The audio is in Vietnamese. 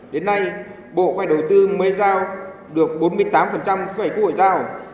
đến nay bộ quay đầu tư mới giao được bốn mươi tám kế hoạch của hội giao